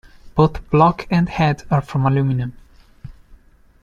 Both block and head are from aluminium.